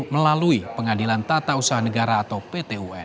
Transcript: melalui pengadilan tata usaha negara atau pt un